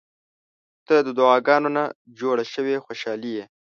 • ته د دعاګانو نه جوړه شوې خوشالي یې.